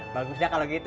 bagus dah kalau gitu